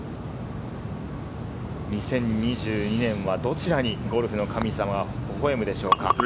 ２０２２年はどちらにゴルフの神様はほほ笑むでしょうか。